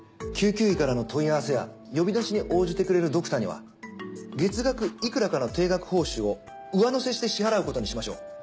救急医からの問い合わせや呼び出しに応じてくれるドクターには月額いくらかの定額報酬を上乗せして支払うことにしましょう。